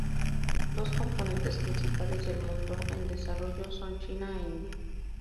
Dos componentes principales del mundo en desarrollo son China e India.